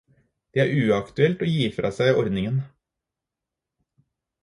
Det er uaktuelt å gi fra seg ordningen.